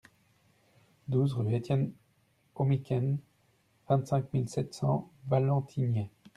douze rue Étienne Oehmichen, vingt-cinq mille sept cents Valentigney